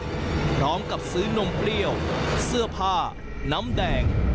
พร้อมกับซื้อนมเปรี้ยวเสื้อผ้าน้ำแดง